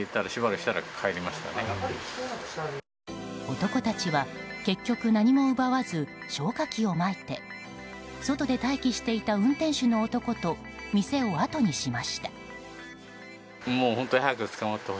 男たちは結局何も奪わず消火器をまいて外で待機していた運転手の男と店をあとにしました。